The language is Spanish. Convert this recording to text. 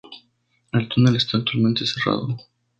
El túnel está actualmente cerrado.